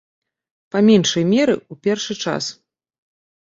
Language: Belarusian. Па меншай меры, у першы час.